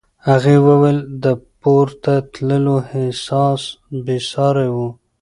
هغې وویل د پورته تللو احساس بې ساری و.